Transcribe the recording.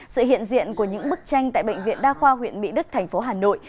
sự hiện diện của những bức tranh tại bệnh viện đa khoa huyện mỹ đức thành phố hà nội